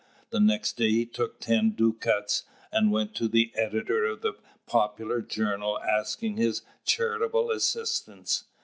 The next day he took ten ducats, and went to the editor of a popular journal asking his charitable assistance.